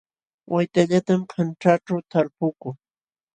Waytallatam kanćhaaćhu talpukuu